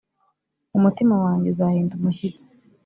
umutima wanjye uzahinda umushyitsi.